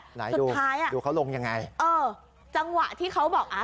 ไหนดูท้ายอ่ะดูเขาลงยังไงเออจังหวะที่เขาบอกอ่า